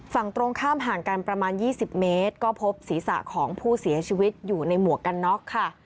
ฝั่งตรงข้ามห่างกันประมาณ๒๐เมตรก็พบศีรษะของผู้เสียชีวิตอยู่ในหมวกกันน็อกค่ะ